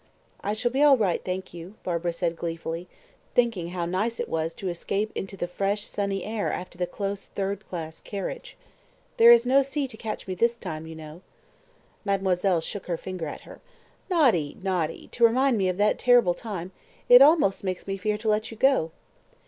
"I shall be all right, thank you," Barbara said gleefully, thinking how nice it was to escape into the fresh, sunny air after the close third class carriage. "There is no sea to catch me this time, you know." Mademoiselle shook her finger at her. "Naughty, naughty! to remind me of that terrible time it almost makes me fear to let you go."